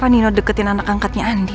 kenapa nino deketin anak angkatnya andin